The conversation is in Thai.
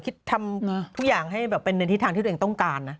คิดทำทุกอย่างให้เป็นหนึ่งทิศทางที่ต้องการนะ